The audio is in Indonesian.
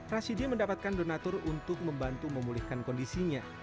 rasidi mendapatkan donatur untuk membantu memulihkan kondisinya